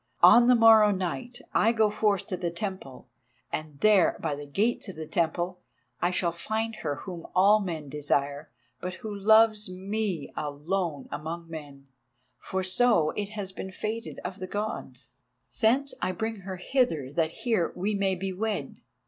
On the morrow night I go forth to the temple, and there, by the gates of the temple, I shall find her whom all men desire, but who loves me alone among men, for so it has been fated of the Gods. Thence I bring her hither that here we may be wed.